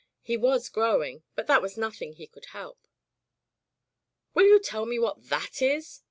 He was growing, but that was nothing he could help. "Will you tell me v/hat that is?"